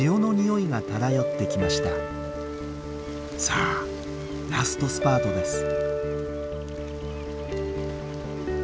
さぁラストスパートです。